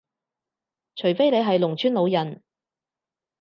除非你係農村老人